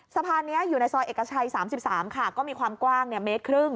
สะพานนี้อยู่ในซอยเอกชัย๓๓ค่ะก็มีความกว้างเมตรครึ่ง